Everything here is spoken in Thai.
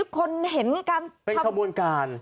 ก็เห็นเป็นขบวนการ